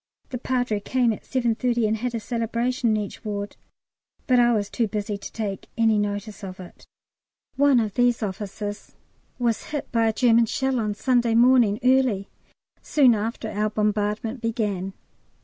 The Padre came at 7.30 and had a Celebration in each ward, but I was too busy to take any notice of it. One of these officers was hit by a German shell on Sunday morning early, soon after our bombardment began.